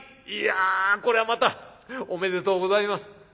いやこりゃまたおめでとうございます」。